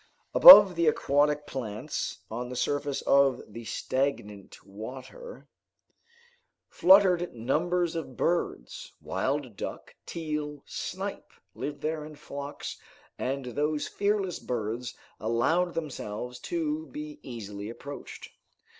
Above the aquatic plants, on the surface of the stagnant water, fluttered numbers of birds. Wild duck, teal, snipe lived there in flocks, and those fearless birds allowed themselves to be easily approached.